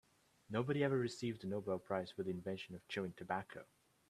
Nobody ever received the Nobel prize for the invention of chewing tobacco.